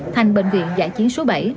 thành bệnh viện giải chiến số bảy